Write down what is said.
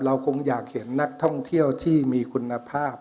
คงอยากเห็นนักท่องเที่ยวที่มีคุณภาพ